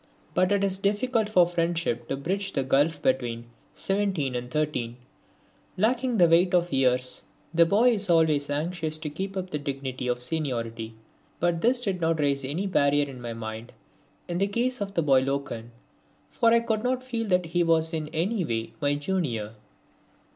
But it is difficult for friendship to bridge the gulf between 17 and 13. Lacking the weight of years the boy is always anxious to keep up the dignity of seniority. But this did not raise any barrier in my mind in the case of the boy Loken, for I could not feel that he was in any way my junior.